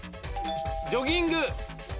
ジョギング。